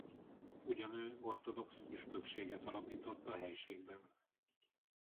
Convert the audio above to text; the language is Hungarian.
Ugyanő ortodox püspökséget alapított a helységben.